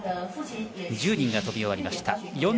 １０人が飛び終わりました。